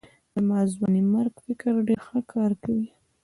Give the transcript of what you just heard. زما ځوانمېرګ فکر ډېر ښه کار کوي.